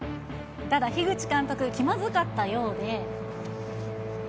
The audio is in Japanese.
ただ、樋口監督、気まずかったようで。